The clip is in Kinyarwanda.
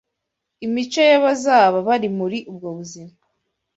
Imico y’abazaba bari muri ubwo buzima